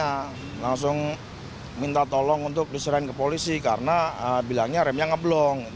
saya langsung minta tolong untuk diserahin ke polisi karena bilangnya remnya ngeblong